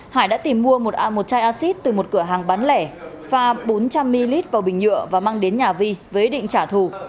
hải đã tìm mua một chai acid từ một cửa hàng bán lẻ pha bốn trăm linh ml vào bình nhựa và mang đến nhà vi với ý định trả thù